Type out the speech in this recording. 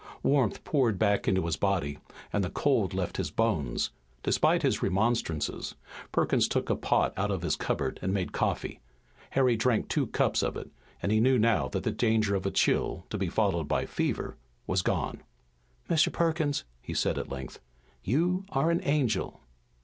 Warmth poured back into his body and the cold left his bones. Despite his remonstrances, Perkins took a pot out of his cupboard and made coffee. Harry drank two cups of it, and he knew now that the danger of chill, to be followed by fever, was gone. "Mr. Perkins," he said at length, "you are an angel."